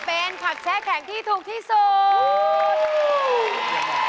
เป็นผักแช่แข็งที่ถูกที่สุด